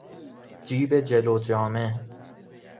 جیب جلو جامه